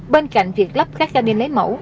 bên cạnh việc lắp các ca binh lấy mẫu